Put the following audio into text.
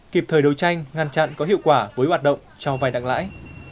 kịp thời đấu tranh ngăn chặn có hiệu quả với hoạt động cho vai nặng lãi